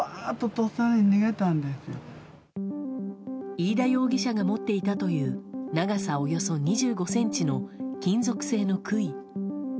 飯田容疑者が持っていたという長さおよそ２５ｃｍの金属製の杭。